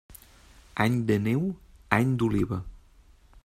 Any de neu, any d'oliva.